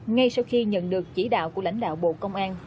ngay sau khi nhận được chỉ đạo của lãnh đạo bộ công an